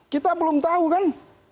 kita belum tahu kan